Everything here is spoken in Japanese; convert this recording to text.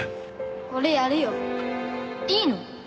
これやるよ。いいの？